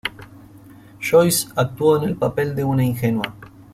Joyce actuó en el papel de una ingenua.